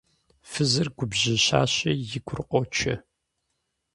Фызыр губжьыщащи, и гур къочэ.